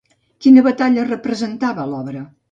Quina batalla representava l'obra?